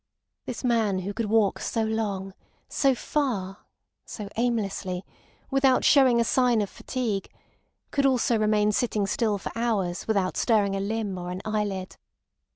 This man who could walk so long, so far, so aimlessly, without showing a sign of fatigue, could also remain sitting still for hours without stirring a limb or an eyelid.